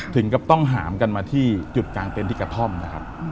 ถึงกับต้องหามกันมาที่จุดกลางเต็นที่กระท่อมนะครับ